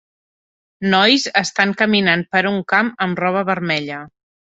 nois estan caminant per un camp amb roba vermella.